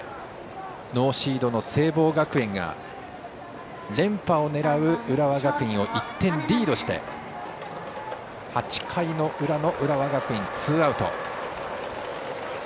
ノーシードの聖望学園が連覇を狙う浦和学院を１点リードして８回の裏の浦和学院ツーアウト。